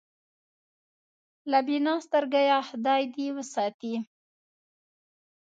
له بینا سترګېه خدای دې وساتي.